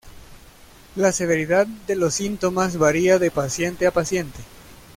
La severidad de los síntomas varía de paciente a paciente.